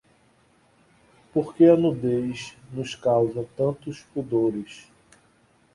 Por que a nudez nos causa tantos pudores?